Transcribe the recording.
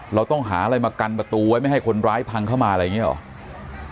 เราต้องหาอะไรมากันประตูไว้ไม่ให้คนร้ายพังเข้ามาอะไรอย่างนี้หรอ